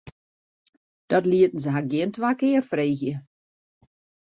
Dat lieten se har gjin twa kear freegje.